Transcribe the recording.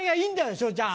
昇ちゃん。